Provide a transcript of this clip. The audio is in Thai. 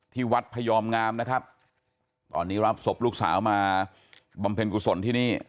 ที่วัดพยอมงามนะครับตอนนี้รับศพลูกสาวมาบำเพ็ญกุศลที่นี่